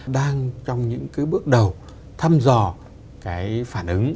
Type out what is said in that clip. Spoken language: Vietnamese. đang trong những bước đầu thăm dò phản ứng